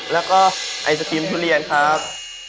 แล้วก็ไอศครีมทุเรียนครับ